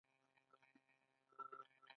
مصنوعي ځیرکتیا د خلکو ګډون اسانه کوي.